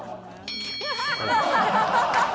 ハハハハ！